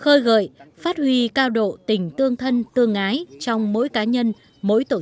khơi gợi phát huy cao độ tình tương thân tương ái trong mỗi cá nhân mỗi tổ